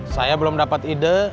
saya belum dapet ide